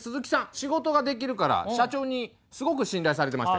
仕事ができるから社長にすごく信頼されてまして。